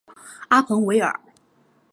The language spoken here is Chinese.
阿彭维尔。